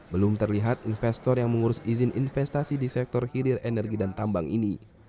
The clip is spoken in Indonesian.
belum terlihat investor yang mengurus izin investasi di sektor hilir energi dan tambang ini